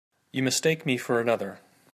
You mistake me for another.